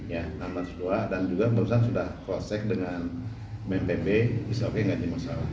ya enam ratus dua dan juga perusahaan sudah cross check dengan bnpb is okay nggak ada masalah